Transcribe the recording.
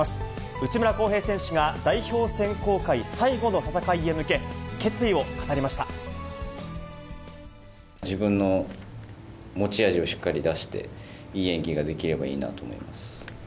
内村航平選手が代表選考会最後の自分の持ち味をしっかり出して、いい演技ができればいいなと思います。